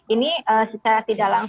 ini secara tidak terlalu mudah